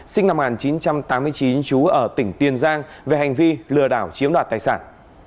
sinh năm một nghìn chín trăm tám mươi chín chú ở tỉnh tiền giang về hành vi lừa đảo chiếm đoạt tài sản